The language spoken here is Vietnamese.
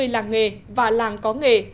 một ba trăm năm mươi làng nghề và làng có nghề